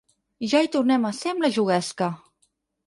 Ja hi tornem a ser amb la juguesca.